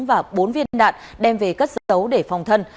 và bốn viên đạn đem về cất giấu để phòng thân